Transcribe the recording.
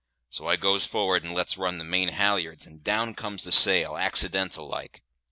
So I goes for'ard and lets run the main halliards, and down comes the sail, accidental like.